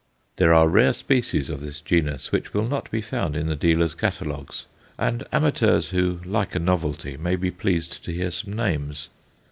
There are rare species of this genus which will not be found in the dealers' catalogues, and amateurs who like a novelty may be pleased to hear some names.